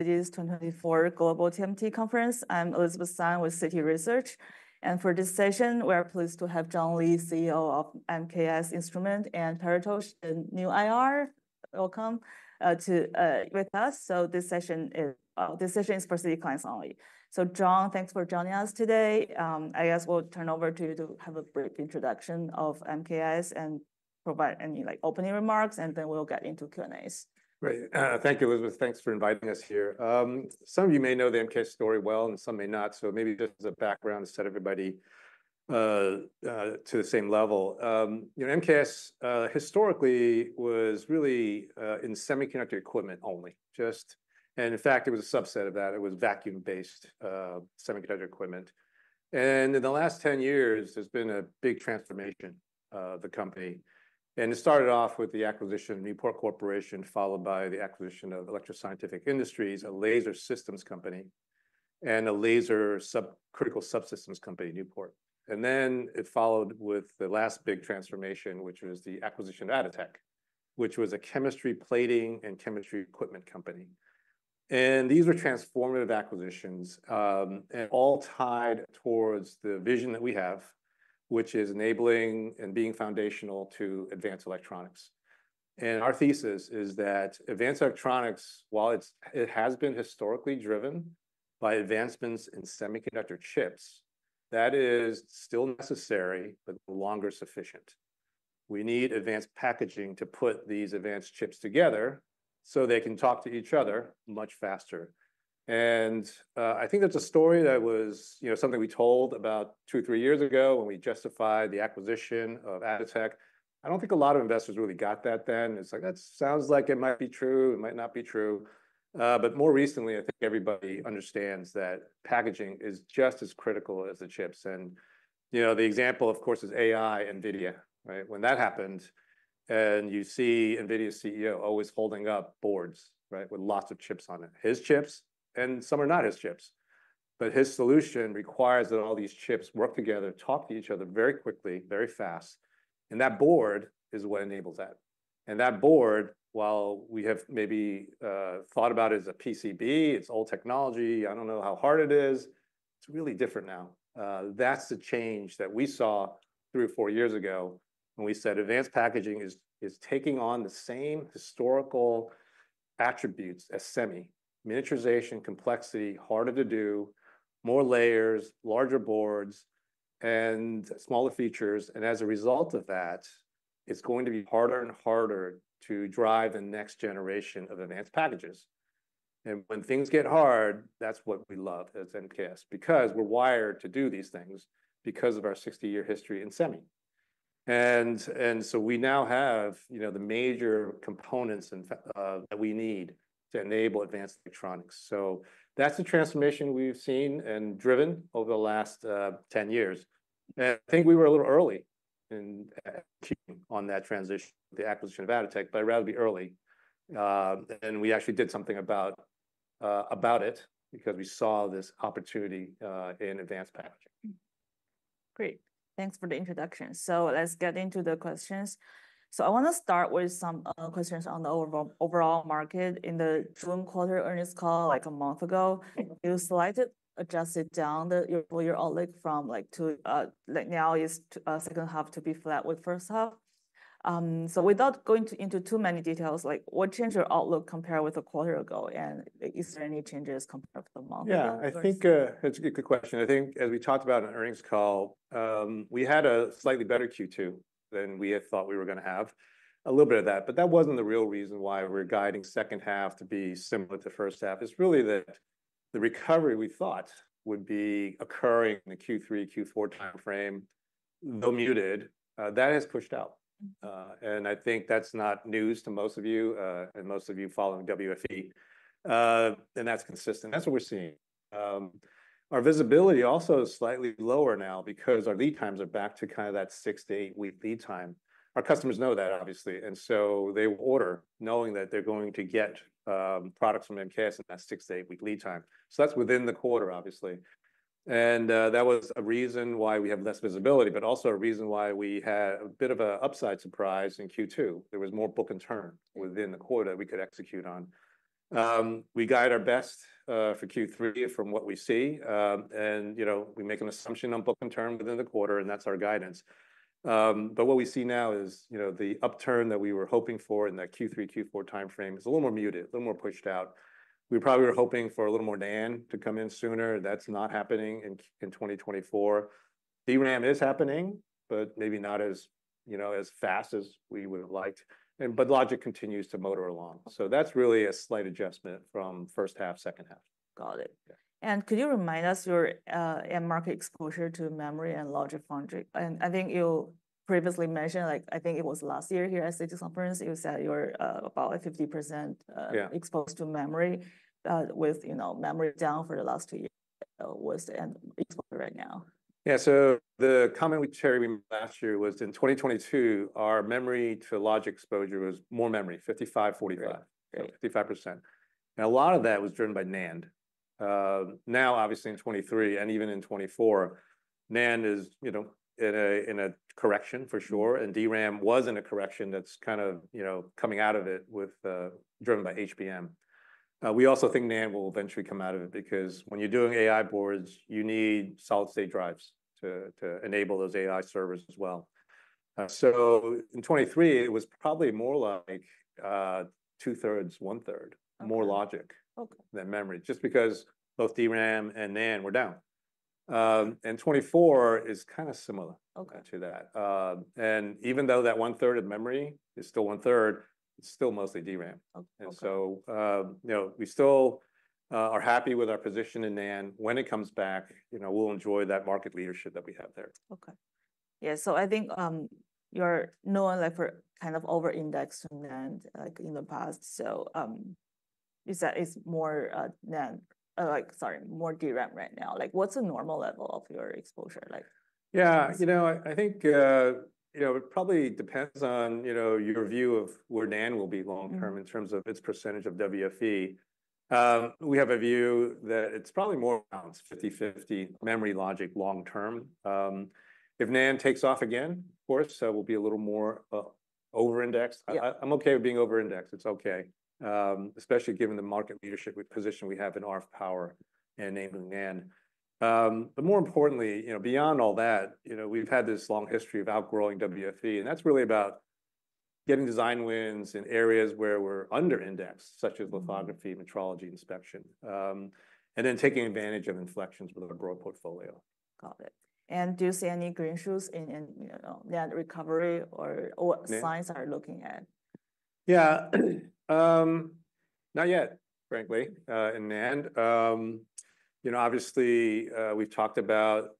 It is 2024 Global TMT Conference. I'm Elizabeth Sun with Citi Research, and for this session, we're pleased to have John Lee, CEO of MKS Instruments, and Paritosh, the new IR. Welcome to be with us. So this session is for Citi clients only. So John, thanks for joining us today. I guess we'll turn over to you to have a brief introduction of MKS and provide any, like, opening remarks, and then we'll get into Q and A's. Great. Thank you, Elizabeth. Thanks for inviting us here. Some of you may know the MKS story well, and some may not, so maybe just as a background to set everybody to the same level. You know, MKS historically was really in semiconductor equipment only, just, and in fact, it was a subset of that. It was vacuum-based semiconductor equipment. And in the last 10 years, there's been a big transformation of the company, and it started off with the acquisition of Newport Corporation, followed by the acquisition of Electro Scientific Industries, a laser systems company, and a laser subsystems company, Newport. And then it followed with the last big transformation, which was the acquisition of Atotech, which was a chemistry plating and chemistry equipment company. These were transformative acquisitions, and all tied towards the vision that we have, which is enabling and being foundational to advanced electronics. Our thesis is that advanced electronics, while it has been historically driven by advancements in semiconductor chips, that is still necessary, but no longer sufficient. We need advanced packaging to put these advanced chips together so they can talk to each other much faster. I think that's a story that was, you know, something we told about two, three years ago when we justified the acquisition of Atotech. I don't think a lot of investors really got that then. It's like, "That sounds like it might be true, it might not be true." More recently, I think everybody understands that packaging is just as critical as the chips. You know, the example, of course, is AI, NVIDIA, right? When that happened, and you see NVIDIA's CEO always holding up boards, right, with lots of chips on it. His chips, and some are not his chips. But his solution requires that all these chips work together, talk to each other very quickly, very fast, and that board is what enables that. And that board, while we have maybe thought about it as a PCB, it's old technology, I don't know how hard it is, it's really different now. That's the change that we saw three or four years ago when we said advanced packaging is taking on the same historical attributes as semi: miniaturization, complexity, harder to do, more layers, larger boards, and smaller features. And as a result of that, it's going to be harder and harder to drive the next generation of advanced packages. And when things get hard, that's what we love as MKS, because we're wired to do these things because of our 60-year history in semi. And so we now have, you know, the major components, in fact, that we need to enable advanced electronics. So that's the transformation we've seen and driven over the last 10 years. And I think we were a little early in keeping on that transition, the acquisition of Atotech, but I'd rather be early. And we actually did something about it because we saw this opportunity in advanced packaging. Great. Thanks for the introduction. So let's get into the questions. So I want to start with some questions on the overall market. In the June quarter earnings call, like a month ago, you slightly adjusted down your outlook from like two, like now is second half to be flat with first half. So without going into too many details, like, what changed your outlook compared with a quarter ago, and is there any changes compared to the month ago? Yeah, I think that's a good question. I think as we talked about on earnings call, we had a slightly better Q2 than we had thought we were going to have. A little bit of that, but that wasn't the real reason why we're guiding second half to be similar to first half. It's really that the recovery we thought would be occurring in the Q3, Q4 timeframe, though muted, that has pushed out, and I think that's not news to most of you and most of you following WFE, and that's consistent. That's what we're seeing. Our visibility also is slightly lower now because our lead times are back to kind of that six-to-eight-week lead time. Our customers know that, obviously, and so they order knowing that they're going to get products from MKS in that six-to-eight-week lead time. That's within the quarter, obviously, and that was a reason why we have less visibility, but also a reason why we had a bit of a upside surprise in Q2. There was more book and turn within the quarter we could execute on. We guide our best for Q3 from what we see, and, you know, we make an assumption on book and turn within the quarter, and that's our guidance, but what we see now is, you know, the upturn that we were hoping for in that Q3, Q4 timeframe is a little more muted, a little more pushed out. We probably were hoping for a little more NAND to come in sooner. That's not happening in 2024. DRAM is happening, but maybe not as, you know, as fast as we would've liked, and logic continues to motor along. So that's really a slight adjustment from first half, second half. Got it. Yeah. Could you remind us your end market exposure to memory and logic foundry? And I think you previously mentioned, like, I think it was last year here at Citi Conference, you said you were about 50%, Yeah... exposed to memory, with, you know, memory down for the last two years. What's the end exposure right now? Yeah, so the comment we shared with you last year was in 2022, our memory to logic exposure was more memory, 55%-45%. Yeah... 55%. And a lot of that was driven by NAND. Now obviously in 2023 and even in 2024, NAND is, you know, in a correction for sure, and DRAM was in a correction that's kind of, you know, coming out of it with, driven by HBM. We also think NAND will eventually come out of it, because when you're doing AI boards, you need solid state drives to enable those AI servers as well. So in 2023, it was probably more like, two-thirds, one-third- Okay. more logic Okay. - than memory, just because both DRAM and NAND were down, and '24 is kind of similar- Okay. to that, and even though that one-third of memory is still one-third, it's still mostly DRAM. Okay. And so, you know, we still are happy with our position in NAND. When it comes back, you know, we'll enjoy that market leadership that we have there. Okay. Yeah, so I think you're known like for kind of over indexing NAND, like, in the past. So, like, sorry, more DRAM right now. Like, what's a normal level of your exposure like? Yeah, you know, I think, you know, it probably depends on, you know, your view of where NAND will be long term- Mm-hmm. - in terms of its percentage of WFE. We have a view that it's probably more around fifty-fifty memory logic long term. If NAND takes off again, of course, that will be a little more, overindex. Yeah. I, I'm okay with being overindexed. It's okay, especially given the market leadership position we have in RF power and enabling NAND. But more importantly, you know, beyond all that, you know, we've had this long history of outgrowing WFE, and that's really about getting design wins in areas where we're underindexed, such as- Mm-hmm. - Lithography, metrology, inspection. And then taking advantage of inflections with a broad portfolio. Got it. And do you see any green shoots in, you know, NAND recovery, or Yeah. What signs are you looking at? Yeah. Not yet, frankly, in NAND. You know, obviously, we've talked about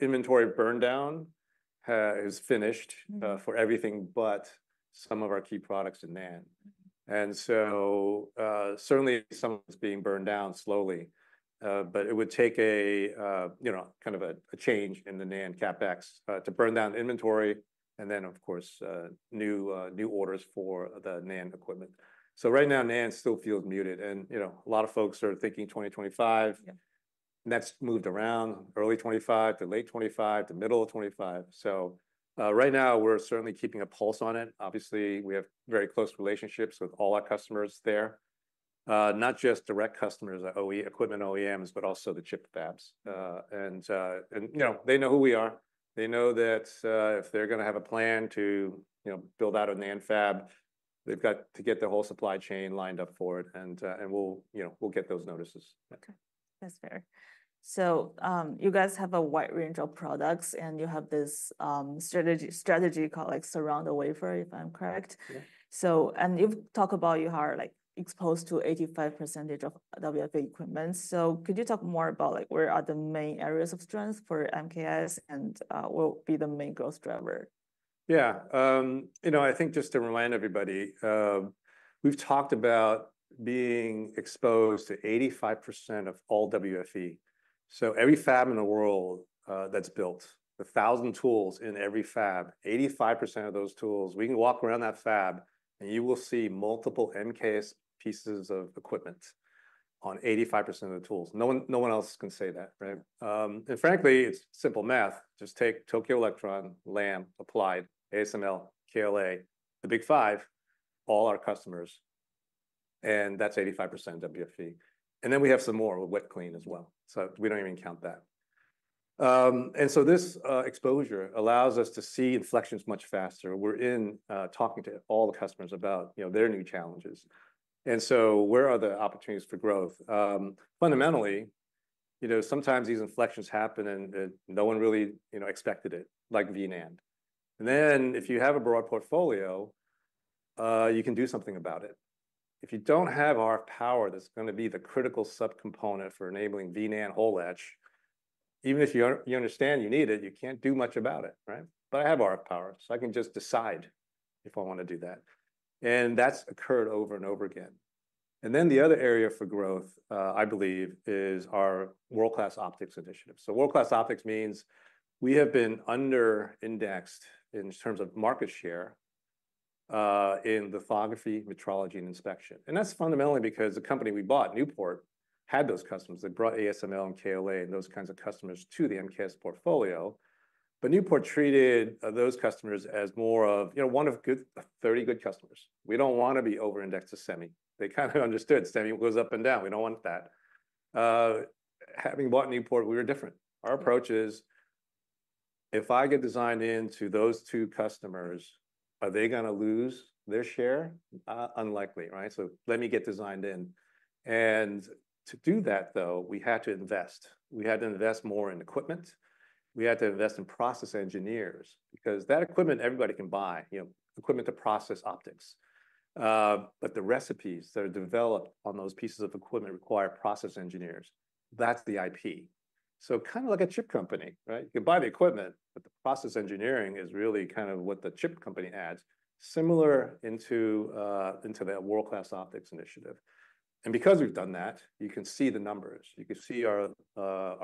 inventory burndown is finished. Mm. For everything but some of our key products in NAND. And so, certainly some of it's being burned down slowly, but it would take a, you know, kind of a change in the NAND CapEx to burn down inventory and then, of course, new orders for the NAND equipment. So right now, NAND still feels muted, and, you know, a lot of folks are thinking twenty twenty-five. Yeah. That's moved around, early 2025 to late 2025 to middle of 2025. So, right now we're certainly keeping a pulse on it. Obviously, we have very close relationships with all our customers there. Not just direct customers, OEM equipment OEMs, but also the chip fabs. And, you know, they know who we are. They know that, if they're gonna have a plan to, you know, build out a NAND fab, they've got to get their whole supply chain lined up for it, and we'll, you know, we'll get those notices. Okay, that's fair. So, you guys have a wide range of products, and you have this strategy called, like, Surround the Wafer, if I'm correct? Yeah. You've talked about you are, like, exposed to 85% of WFE equipment. Could you talk more about, like, where are the main areas of strength for MKS and what will be the main growth driver? Yeah, you know, I think just to remind everybody, we've talked about being exposed to 85% of all WFE. So every fab in the world that's built, the 1,000 tools in every fab, 85% of those tools, we can walk around that fab, and you will see multiple MKS pieces of equipment on 85% of the tools. No one, no one else can say that, right? And frankly, it's simple math. Just take Tokyo Electron, Lam, Applied, ASML, KLA, the Big Five, all our customers, and that's 85% WFE. And then we have some more with wet clean as well, so we don't even count that. And so this exposure allows us to see inflections much faster. We're in talking to all the customers about, you know, their new challenges. And so where are the opportunities for growth? Fundamentally, you know, sometimes these inflections happen, and no one really, you know, expected it, like V-NAND. And then, if you have a broad portfolio, you can do something about it. If you don't have RF power, that's gonna be the critical subcomponent for enabling V-NAND hole etch. Even if you understand you need it, you can't do much about it, right? But I have RF power, so I can just decide if I want to do that, and that's occurred over and over again. And then, the other area for growth, I believe, is our world-class optics initiative. So world-class optics means we have been underindexed in terms of market share in lithography, metrology, and inspection, and that's fundamentally because the company we bought, Newport, had those customers. They brought ASML and KLA and those kinds of customers to the MKS portfolio. But Newport treated those customers as more of, you know, one of thirty good customers. We don't want to be overindexed to semi. They kind of understood semi goes up and down. We don't want that. Having bought Newport, we were different. Our approach is, if I get designed into those two customers, are they gonna lose their share? Unlikely, right? So let me get designed in. And to do that, though, we had to invest. We had to invest more in equipment. We had to invest in process engineers, because that equipment everybody can buy, you know, equipment to process optics. But the recipes that are developed on those pieces of equipment require process engineers. That's the IP. So kind of like a chip company, right? You can buy the equipment, but the process engineering is really kind of what the chip company adds, similar to that World-Class Optics initiative. And because we've done that, you can see the numbers. You can see our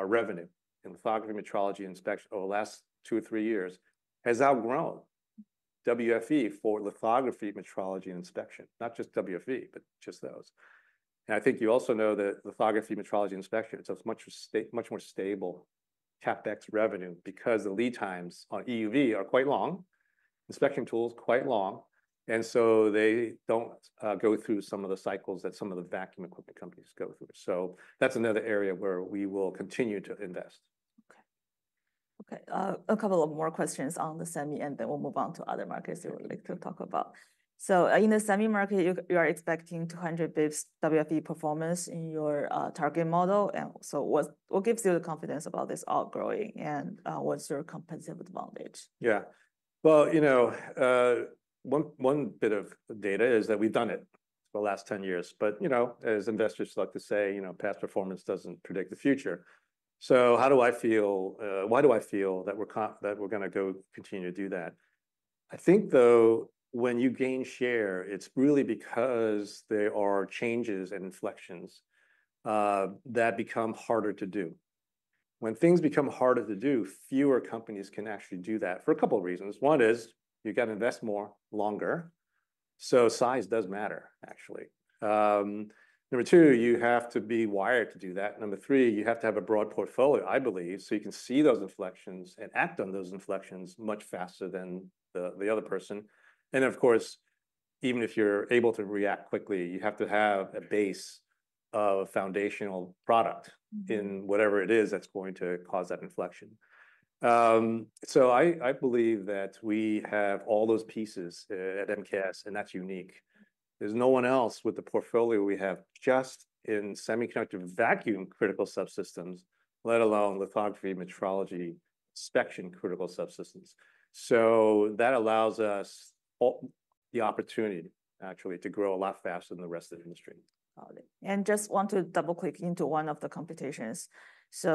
revenue in lithography, metrology, inspection over the last two or three years has outgrown WFE for lithography, metrology, and inspection. Not just WFE, but just those. And I think you also know that lithography, metrology, inspection, so it's much more stable CapEx revenue because the lead times on EUV are quite long, inspection tools quite long, and so they don't go through some of the cycles that some of the vacuum equipment companies go through. So that's another area where we will continue to invest. Okay. A couple of more questions on the semi, and then we'll move on to other markets you would like to talk about. So in the semi market, you are expecting 200 basis WFE performance in your target model, and so what gives you the confidence about this outgrowing, and what's your competitive advantage? Yeah. Well, you know, one bit of data is that we've done it for the last 10 years, but, you know, as investors like to say, you know, past performance doesn't predict the future. So how do I feel? Why do I feel that we're gonna continue to do that? I think, though, when you gain share, it's really because there are changes and inflections that become harder to do. When things become harder to do, fewer companies can actually do that for a couple of reasons. One is you've got to invest more, longer, so size does matter, actually. Number two, you have to be wired to do that. Number three, you have to have a broad portfolio, I believe, so you can see those inflections and act on those inflections much faster than the other person. And of course, even if you're able to react quickly, you have to have a base of foundational product in whatever it is that's going to cause that inflection. So I believe that we have all those pieces at MKS, and that's unique. There's no one else with the portfolio we have just in semiconductor vacuum critical subsystems, let alone lithography, metrology, inspection critical subsystems. So that allows us the opportunity actually to grow a lot faster than the rest of the industry. Got it. And just want to double-click into one of the competitors. So,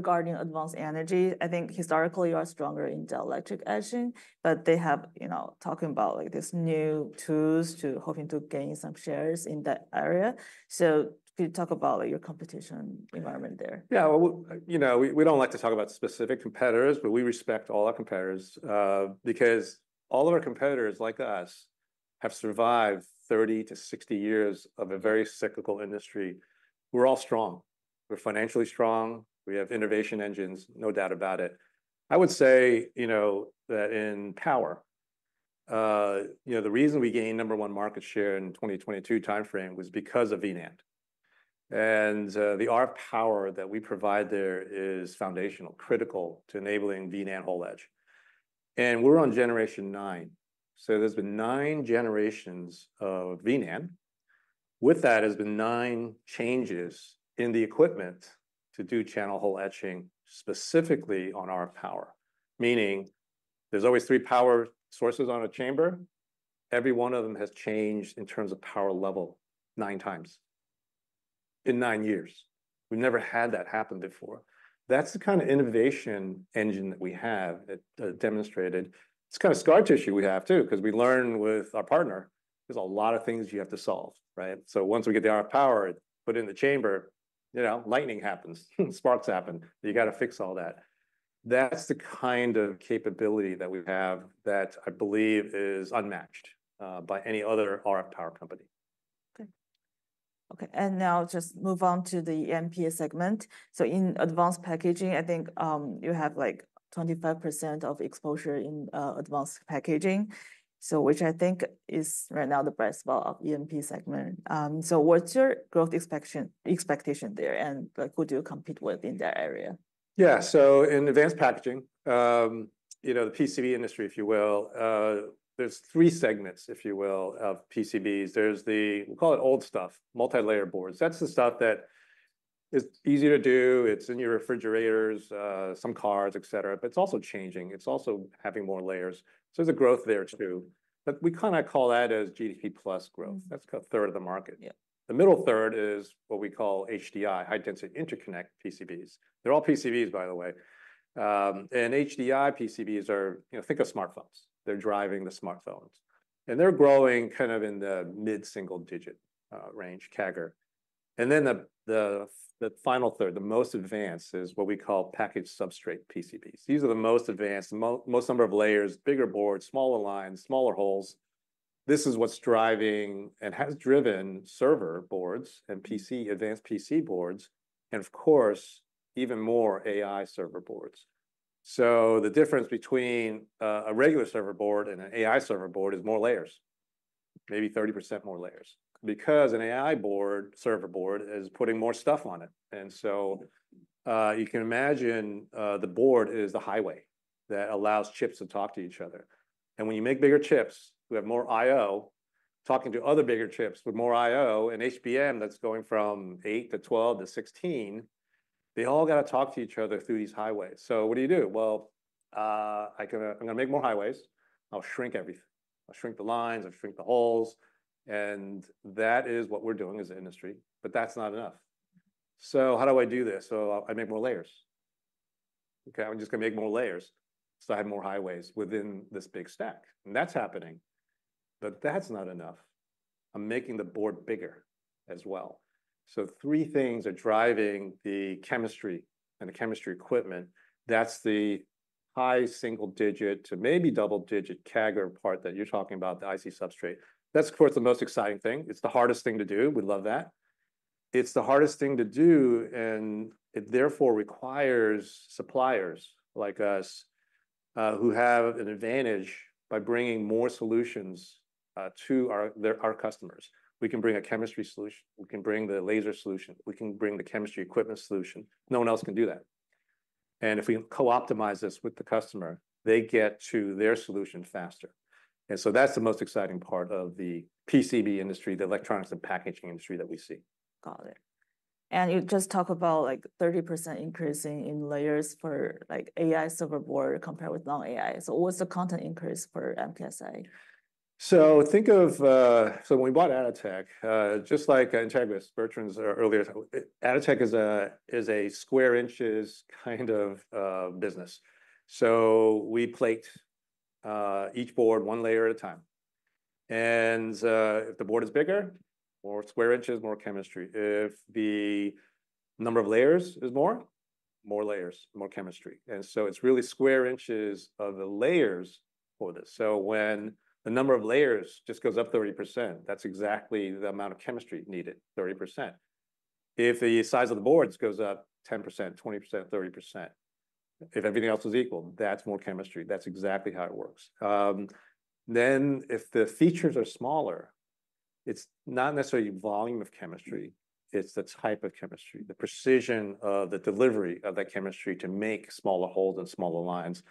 regarding Advanced Energy, I think historically you are stronger in dielectric etching, but they have, you know, talking about, like, these new tools they're hoping to gain some share in that area. So could you talk about your competition environment there? Yeah, well, you know, we, we don't like to talk about specific competitors, but we respect all our competitors, because all of our competitors, like us, have survived thirty to sixty years of a very cyclical industry. We're all strong. We're financially strong. We have innovation engines, no doubt about it. I would say, you know, that in power, you know, the reason we gained number one market share in 2022 timeframe was because of V-NAND. And, the RF power that we provide there is foundational, critical to enabling V-NAND hole etch. And we're on generation nine, so there's been nine generations of V-NAND. With that, there's been nine changes in the equipment to do channel hole etching specifically on RF power, meaning there's always three power sources on a chamber. Every one of them has changed in terms of power level nine times in nine years. We've never had that happen before. That's the kind of innovation engine that we have that demonstrated. It's kind of scar tissue we have, too, 'cause we learned with our partner there's a lot of things you have to solve, right? So once we get the RF power put in the chamber, you know, lightning happens, sparks happen. You got to fix all that. That's the kind of capability that we have that I believe is unmatched by any other RF power company. Okay. Okay, and now just move on to the E&P segment, so in advanced packaging, I think you have, like, 25% of exposure in advanced packaging, so which I think is right now the best of EMP segment. So what's your growth expectation there, and, like, who do you compete with in that area? Yeah, so in advanced packaging, you know, the PCB industry, if you will, there's three segments, if you will, of PCBs. There's the, we'll call it old stuff, multilayer boards. That's the stuff that is easy to do. It's in your refrigerators, some cars, etc., but it's also changing. It's also having more layers, so there's a growth there, too. But we kind of call that as GDP plus growth. Mm-hmm. That's a third of the market. Yeah. The middle third is what we call HDI, high-density interconnect PCBs. They're all PCBs, by the way. And HDI PCBs are, you know, think of smartphones. They're driving the smartphones, and they're growing kind of in the mid-single digit range, CAGR. And then the final third, the most advanced, is what we call package substrate PCBs. These are the most advanced, most number of layers, bigger boards, smaller lines, smaller holes. This is what's driving and has driven server boards and PC, advanced PC boards, and of course, even more AI server boards. So the difference between a regular server board and an AI server board is more layers, maybe 30% more layers, because an AI board, server board is putting more stuff on it. And so, you can imagine, the board is the highway that allows chips to talk to each other. And when you make bigger chips, we have more IO talking to other bigger chips with more IO and HBM that's going from eight to 12 to 16. They all got to talk to each other through these highways. So what do you do? Well, I'm gonna make more highways. I'll shrink the lines, I'll shrink the holes, and that is what we're doing as an industry, but that's not enough. So how do I do this? So I make more layers. Okay, I'm just gonna make more layers, so I have more highways within this big stack, and that's happening... but that's not enough. I'm making the board bigger as well. So three things are driving the chemistry and the chemistry equipment. That's the high single digit to maybe double-digit CAGR part that you're talking about, the IC Substrate. That's, of course, the most exciting thing. It's the hardest thing to do. We love that. It's the hardest thing to do, and it therefore requires suppliers like us, who have an advantage by bringing more solutions to our customers. We can bring a chemistry solution. We can bring the laser solution. We can bring the chemistry equipment solution. No one else can do that. And if we co-optimize this with the customer, they get to their solution faster. And so that's the most exciting part of the PCB industry, the electronics and packaging industry that we see. Got it. And you just talk about, like, 30% increasing in layers for, like, AI server board compared with non-AI. So what's the content increase for MKS? When we bought Atotech, just like in Travis Bertrand's earlier, Atotech is a square inches kind of business. We plate each board one layer at a time, and if the board is bigger, more square inches, more chemistry. If the number of layers is more, more layers, more chemistry. It's really square inches of the layers for this. When the number of layers just goes up 30%, that's exactly the amount of chemistry needed, 30%. If the size of the boards goes up 10%, 20%, 30%, if everything else is equal, that's more chemistry. That's exactly how it works. Then, if the features are smaller, it's not necessarily volume of chemistry, it's the type of chemistry, the precision of the delivery of that chemistry to make smaller holes and smaller lines,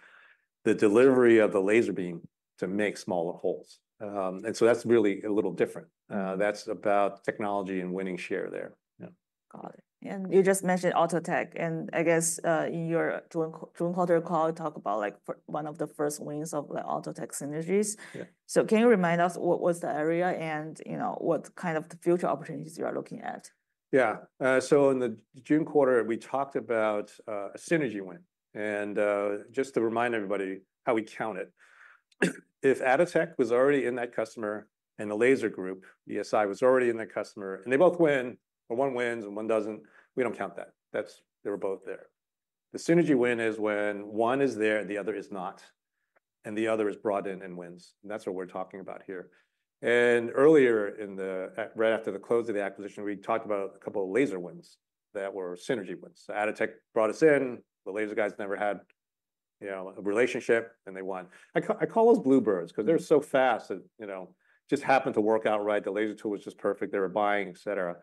the delivery of the laser beam to make smaller holes. And so that's really a little different. That's about technology and winning share there. Yeah. Got it. And you just mentioned Atotech, and I guess, in your June quarter call, you talk about, like, one of the first wins of the Atotech synergies. Yeah. Can you remind us what was the area and, you know, what kind of the future opportunities you are looking at? Yeah. So in the June quarter, we talked about a synergy win, and just to remind everybody how we count it, if Atotech was already in that customer, and the laser group, ESI, was already in that customer, and they both win, or one wins and one doesn't, we don't count that. That's. They were both there. The synergy win is when one is there and the other is not, and the other is brought in and wins, and that's what we're talking about here. And earlier, right after the close of the acquisition, we talked about a couple of laser wins that were synergy wins. So Atotech brought us in. The laser guys never had, you know, a relationship, and they won. I call those bluebirds- Mm... 'cause they're so fast that, you know, just happened to work out right. The laser tool was just perfect. They were buying, et cetera.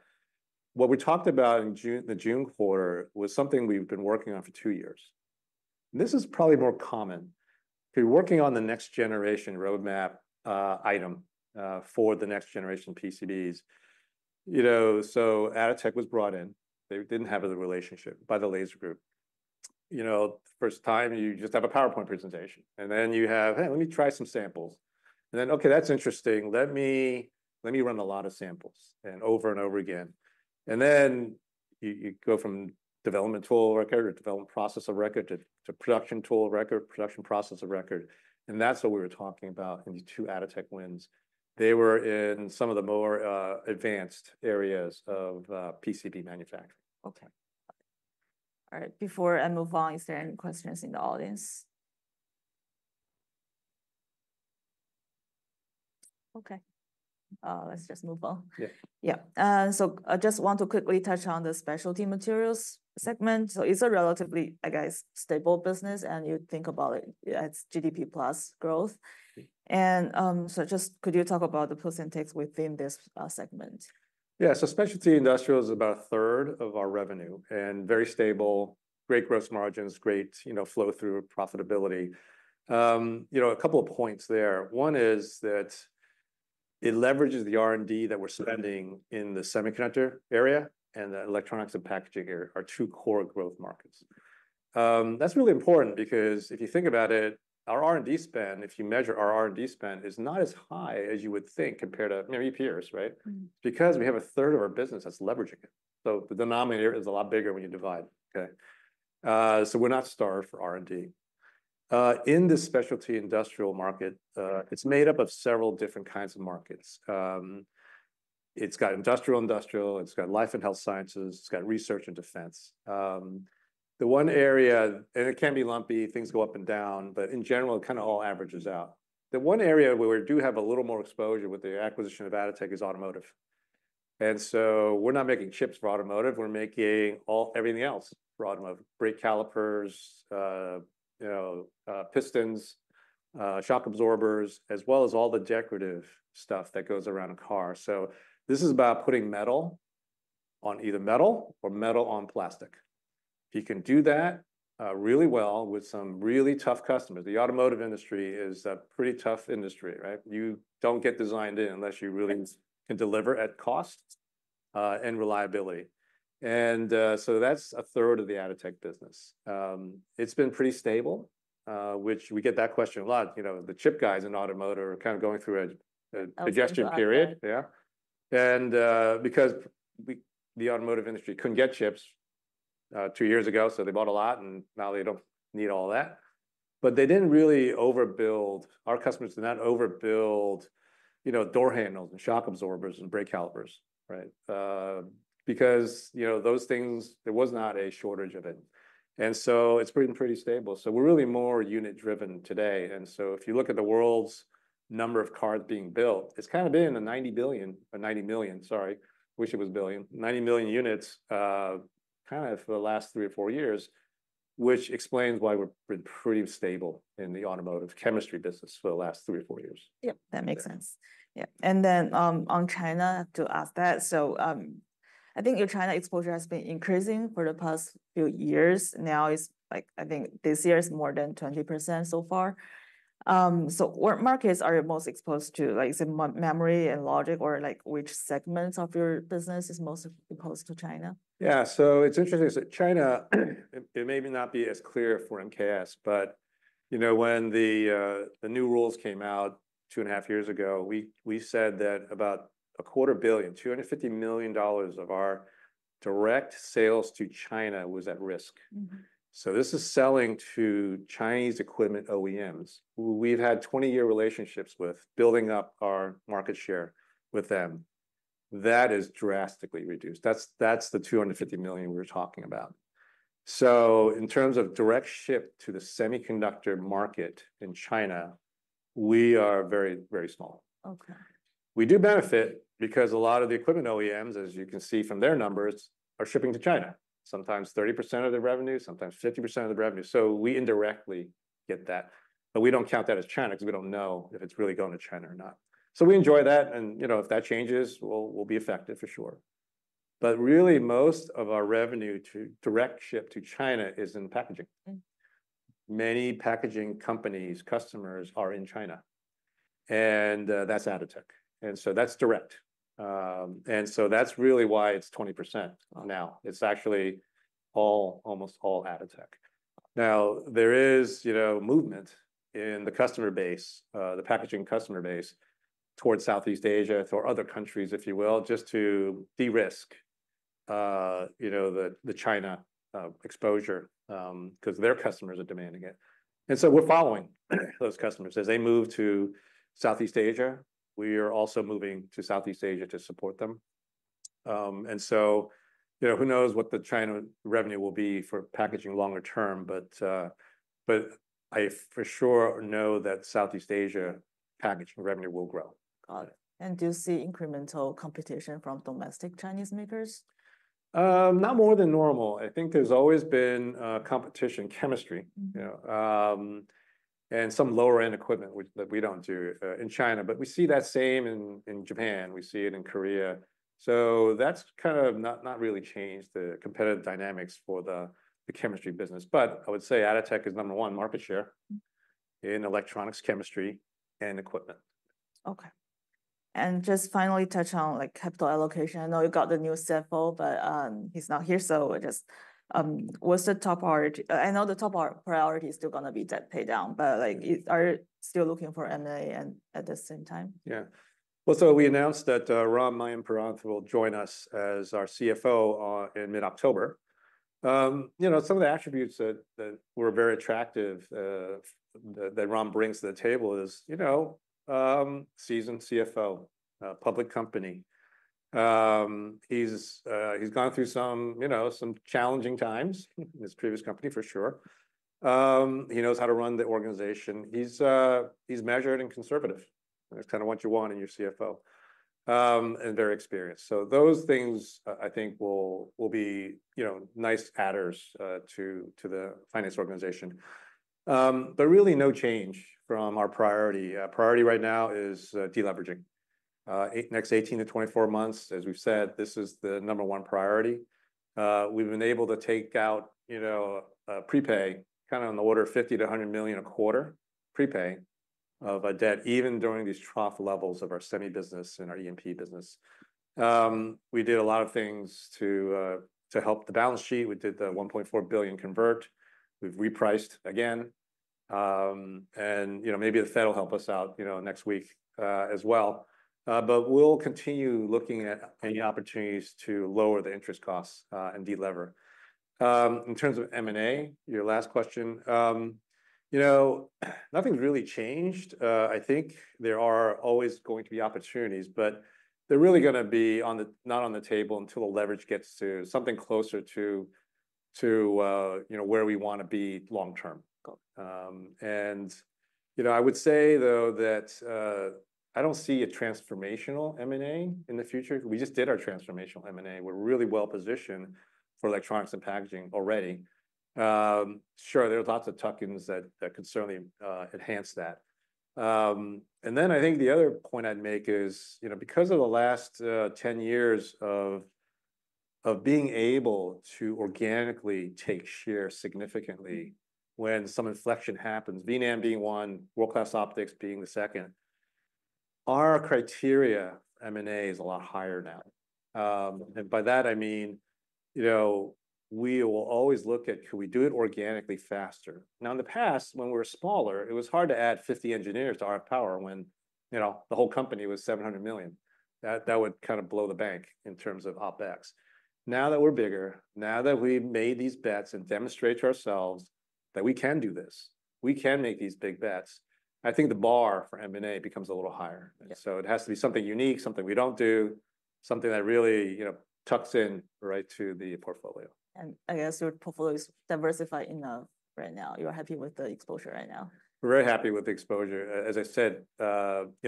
What we talked about in June, the June quarter, was something we've been working on for two years, and this is probably more common. We're working on the next generation roadmap, item, for the next generation PCBs. You know, so Atotech was brought in, they didn't have a relationship, by the laser group. You know, first time, you just have a PowerPoint presentation, and then you have, "Hey, let me try some samples." And then, "Okay, that's interesting. Let me, let me run a lot of samples," and over and over again. Then you go from development tool record, or development process of record, to production tool record, production process of record, and that's what we were talking about in the two Atotech wins. They were in some of the more advanced areas of PCB manufacturing. Okay. All right, before I move on, is there any questions in the audience? Okay, let's just move on. Yeah. Yeah, so I just want to quickly touch on the specialty materials segment, so it's a relatively, I guess, stable business, and you think about it, it's GDP plus growth. Yeah. Just could you talk about the plus and takes within this segment? Yeah. So specialty industrial is about a third of our revenue, and very stable, great gross margins, great, you know, flow through profitability. You know, a couple of points there. One is that it leverages the R&D that we're spending in the semiconductor area and the electronics and packaging area, our two core growth markets. That's really important because if you think about it, our R&D spend, if you measure our R&D spend, is not as high as you would think compared to, you know, our peers, right? Mm. Because we have a third of our business that's leveraging it. So the denominator is a lot bigger when you divide, okay? So we're not starved for R&D. In the specialty industrial market, it's made up of several different kinds of markets. It's got industrial-industrial, it's got Life & Health Sciences, it's got Research & Defense. The one area... and it can be lumpy, things go up and down, but in general, it kind of all averages out. The one area where we do have a little more exposure with the acquisition of Atotech is automotive. And so we're not making chips for automotive, we're making all, everything else for automotive: brake calipers, you know, pistons, shock absorbers, as well as all the decorative stuff that goes around a car. So this is about putting metal on either metal or metal on plastic. If you can do that really well with some really tough customers, the automotive industry is a pretty tough industry, right? You don't get designed in unless you really can deliver at cost and reliability, so that's a third of the Atotech business. It's been pretty stable, which we get that question a lot. You know, the chip guys in automotive are kind of going through a digestion period. A... Yeah. Yeah. And because the automotive industry couldn't get chips two years ago, so they bought a lot, and now they don't need all that. But they didn't really overbuild. Our customers did not overbuild, you know, door handles and shock absorbers and brake calipers, right? Because, you know, those things, there was not a shortage of it. And so it's been pretty stable. So we're really more unit-driven today, and so if you look at the world's number of cars being built, it's kinda been a ninety billion, or ninety million, sorry. Wish it was a billion. Ninety million units, kinda for the last three or four years, which explains why we're pretty stable in the automotive chemistry business for the last three or four years. Yep, that makes sense. Yeah, and then, on China, to ask that, so, I think your China exposure has been increasing for the past few years. Now, it's like, I think this year it's more than 20% so far. So what markets are you most exposed to? Like, say, memory and logic, or, like, which segments of your business is most exposed to China? Yeah, so it's interesting. So China, it may not be as clear for MKS, but you know, when the new rules came out two and a half years ago, we said that about $250 million of our direct sales to China was at risk. Mm-hmm. So this is selling to Chinese equipment OEMs, who we've had twenty-year relationships with, building up our market share with them. That is drastically reduced. That's, that's the $250 million we're talking about. So in terms of direct ship to the semiconductor market in China, we are very, very small. Okay. We do benefit because a lot of the equipment OEMs, as you can see from their numbers, are shipping to China, sometimes 30% of their revenue, sometimes 50% of their revenue, so we indirectly get that. But we don't count that as China because we don't know if it's really going to China or not. So we enjoy that, and, you know, if that changes, we'll be affected for sure. But really, most of our revenue to direct ship to China is in packaging. Mm. Many packaging companies' customers are in China, and that's Atotech, and so that's direct, and so that's really why it's 20% now. Uh-huh. It's actually all, almost all Atotech. Now, there is, you know, movement in the customer base, the packaging customer base towards Southeast Asia, toward other countries, if you will, just to de-risk, you know, the China exposure, 'cause their customers are demanding it. And so we're following those customers. As they move to Southeast Asia, we are also moving to Southeast Asia to support them. And so, you know, who knows what the China revenue will be for packaging longer term, but, but I for sure know that Southeast Asia packaging revenue will grow. Got it. And do you see incremental competition from domestic Chinese makers? Not more than normal. I think there's always been competition, chemistry- Mm-hmm... you know, and some lower-end equipment, which that we don't do in China, but we see that same in Japan, we see it in Korea. So that's kind of not really changed the competitive dynamics for the chemistry business. But I would say Atotech is number one market share- Mm... in electronics, chemistry, and equipment. Okay. And just finally touch on, like, capital allocation. I know you got the new CFO, but he's not here, so just what's the top priority? I know the top priority is still gonna be debt paydown, but, like, is- are you still looking for M&A at the same time? Yeah. So we announced that, Ram Mayampurath will join us as our CFO, in mid-October. You know, some of the attributes that were very attractive, that Ram brings to the table is, you know, seasoned CFO, public company. He's gone through some, you know, some challenging times, in his previous company, for sure. He knows how to run the organization. He's measured and conservative. That's kind of what you want in your CFO, and very experienced. So those things I think will be, you know, nice adders, to the finance organization. Really no change from our priority. Our priority right now is de-leveraging over the next 18-24 months, as we've said, this is the number one priority. We've been able to take out, you know, prepay, kind of in the order of $50-$100 million a quarter, prepay, of our debt, even during these trough levels of our semi business and our EMP business. We did a lot of things to help the balance sheet. We did the $1.4 billion convert. We've repriced again, and, you know, maybe the Fed will help us out, you know, next week, as well. But we'll continue looking at any opportunities to lower the interest costs, and de-lever. In terms of M&A, your last question, you know, nothing's really changed. I think there are always going to be opportunities, but they're really gonna be on the... not on the table until the leverage gets to something closer to, you know, where we wanna be long term. Got it. And, you know, I would say, though, that I don't see a transformational M&A in the future. We just did our transformational M&A. We're really well positioned for electronics and packaging already. Sure, there are lots of tuck-ins that could certainly enhance that. And then I think the other point I'd make is, you know, because of the last 10 years of being able to organically take share significantly when some inflection happens, V-NAND being one, World-Class Optics being the second, our criteria M&A is a lot higher now. And by that I mean, you know, we will always look at could we do it organically faster? Now, in the past, when we were smaller, it was hard to add 50 engineers to our power when, you know, the whole company was $700 million. That would kind of blow the bank in terms of OpEx. Now that we're bigger, now that we've made these bets and demonstrated to ourselves that we can do this. We can make these big bets. I think the bar for M&A becomes a little higher. Yeah. And so it has to be something unique, something we don't do, something that really, you know, tucks in right to the portfolio. And I guess your portfolio is diversified enough right now. You're happy with the exposure right now? We're very happy with the exposure. As I said, you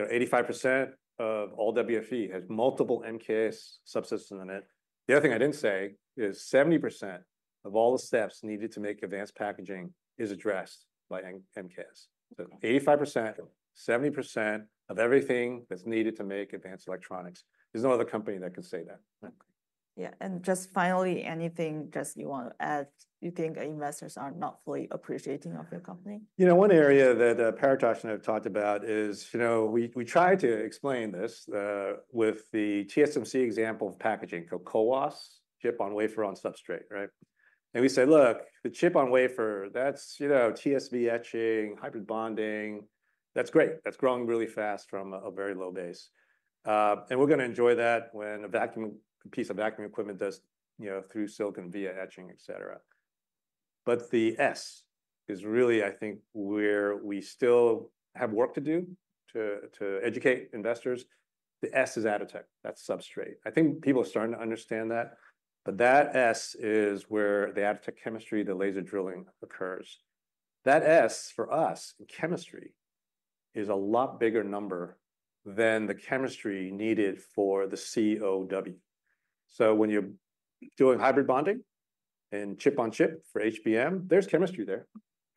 know, 85% of all WFE has multiple MKS subsystems in it. The other thing I didn't say is 70% of all the steps needed to make advanced packaging is addressed by MKS. Okay. 85%, 70% of everything that's needed to make advanced electronics. There's no other company that can say that. Okay. Yeah, and just finally, anything just you want to add, you think investors are not fully appreciating of your company? You know, one area that, Paritosh and I have talked about is, you know, we try to explain this with the TSMC example of packaging, called CoWoS, chip-on-wafer-on-substrate, right? And we say, "Look, the chip-on-wafer, that's, you know, TSV etching, hybrid bonding, that's great. That's growing really fast from a very low base. And we're gonna enjoy that when a vacuum, a piece of vacuum equipment does, you know, through-silicon via etching, et cetera." But the S is really, I think, where we still have work to do to educate investors. The S is Atotech, that's substrate. I think people are starting to understand that, but that S is where the Atotech chemistry, the laser drilling occurs. That S, for us, in chemistry, is a lot bigger number than the chemistry needed for the CoW. So when you're doing hybrid bonding and chip-on-chip for HBM, there's chemistry there,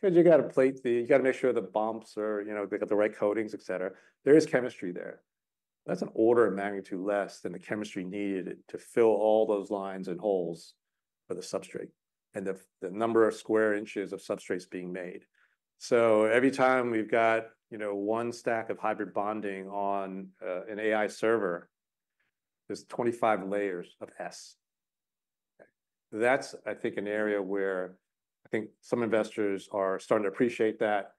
'cause you've got to plate the. You've got to make sure the bumps are, you know, they've got the right coatings, et cetera. There is chemistry there. That's an order of magnitude less than the chemistry needed to fill all those lines and holes for the substrate and the number of square inches of substrates being made. So every time we've got, you know, one stack of hybrid bonding on an AI server, there's 25 layers of S. That's, I think, an area where I think some investors are starting to appreciate that.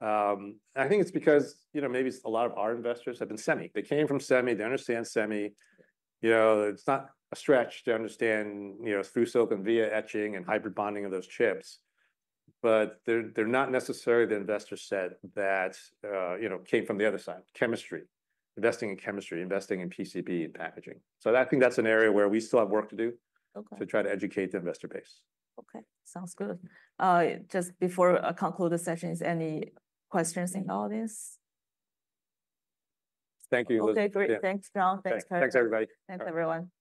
And I think it's because, you know, maybe a lot of our investors have been semi. They came from semi, they understand semi. You know, it's not a stretch to understand, you know, through-silicon via etching and hybrid bonding of those chips, but they're not necessarily the investor set that, you know, came from the other side, chemistry, investing in chemistry, investing in PCB and packaging. So I think that's an area where we still have work to do- Okay. to try to educate the investor base. Okay, sounds good. Just before I conclude the session, is there any questions in the audience? Thank you, Elizabeth. Okay, great. Yeah. Thanks, John. Thanks, Kurt. Thanks, everybody. Thanks, everyone.